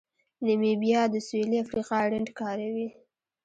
نیمیبیا د سویلي افریقا رینډ کاروي.